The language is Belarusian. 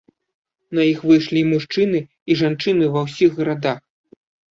На іх выйшлі і мужчыны, і жанчыны ва ўсіх гарадах.